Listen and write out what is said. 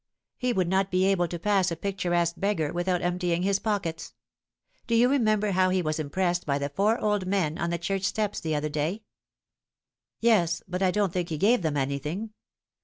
He would not be able to pass a pic turesque beggar without emptying his pockets. Do you re member how he was impressed by the four old men on the church steps the other day ?" Tlie Time has Come. 217 " Yes, but I don't think he gave them anything."